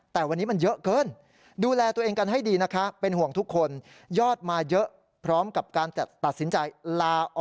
แต่วันนี้มันเยอะเกินดูแลตัวเองกันให้ดีนะคะ